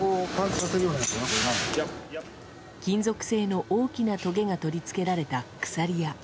金属製の大きなとげが取り付けられた鎖や。